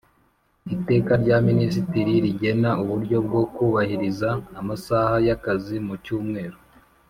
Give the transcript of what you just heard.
Iteka rya Minisitiri rigena uburyo bwo kubahiriza amasaha y akazi mu cyumweru